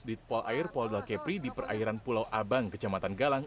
ditpol air polda kepri di perairan pulau abang kecamatan galang